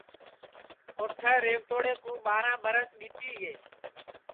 اوٹھے ریہوتوڑے کُو ٻاراں ٻرس ٻِیتی گے